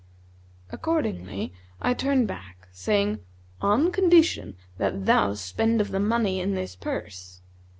Accordingly, I turned back, saying, 'On condition that thou spend of the money in this purse.'